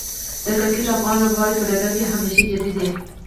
د کرکټ افغان لوبغاړي په ډګر کې همیشه جدي دي.